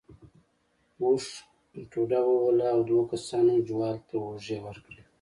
اوښ ټوډه ووهله او دوو کسانو جوال ته اوږې ورکړې.